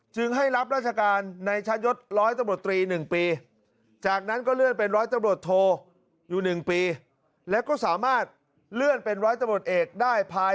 จึงให้รับราชการในชั้นยศร้อยตำรวจตี๑ปี